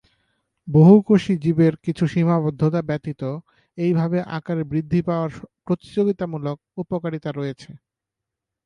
বহুকোষী জীবের কিছু সীমাবদ্ধতা ব্যতীত এইভাবে আকারে বৃদ্ধি পাওয়ার প্রতিযোগিতামূলক উপকারিতা রয়েছে।